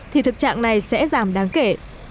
thì thực trạng này sẽ giảm đáng kể